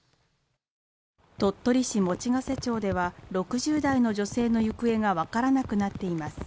鳥取市用瀬町では６０代の女性の行方が分からなくなっています